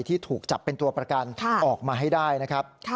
ที่ถูกจับเป็นตัวประกันออกมาให้ได้นะครับ